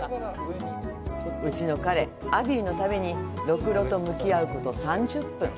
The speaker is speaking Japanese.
うちの彼・アビィのためにろくろと向き合うこと３０分。